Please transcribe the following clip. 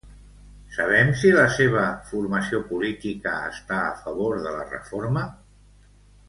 Sabem si la seva formació política està a favor de la reforma?